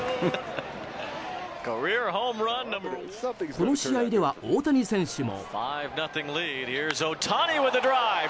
この試合では大谷選手も。